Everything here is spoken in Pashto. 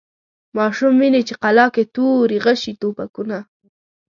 ماشوم ویني په قلا کي توري، غشي، توپکونه